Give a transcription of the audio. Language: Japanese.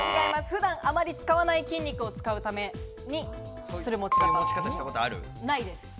普段あまり使わない筋肉を使うためにする持ち方。